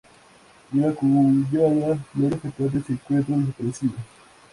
Una cuñada, Gloria Fernández, se encuentra desaparecida.